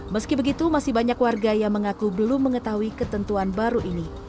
meski begitu masih banyak warga yang mengaku belum mengetahui ketentuan baru ini